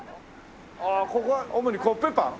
ここは主にコッペパン？